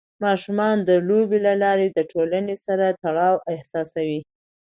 ماشومان د لوبو له لارې د ټولنې سره تړاو احساسوي.